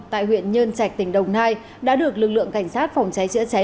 tại huyện nhân trạch tỉnh đồng nai đã được lực lượng cảnh sát phòng cháy chữa cháy